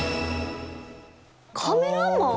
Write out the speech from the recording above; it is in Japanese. カメラマン？